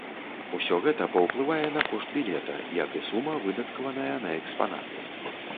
Усё гэта паўплывае на кошт білета, як і сума, выдаткаваная на экспанаты.